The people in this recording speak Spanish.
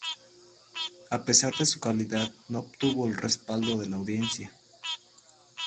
A pesar de su calidad, no obtuvo el respaldo de la audiencia.